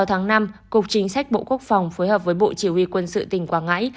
sáu tháng năm cục chính sách bộ quốc phòng phối hợp với bộ chỉ huy quân sự tỉnh quảng ngãi